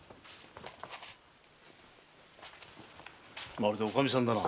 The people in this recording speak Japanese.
まるでおかみさんだな。